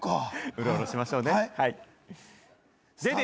ウロウロしましょうね。